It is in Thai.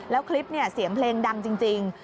แล้วคลิปเนี่ยเสียงเพลงดังจริง